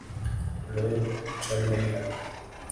لوُ چل رہی ہے